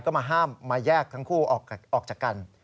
ก็มาห้ามมาแยกทั้งคู่ออกจากกัน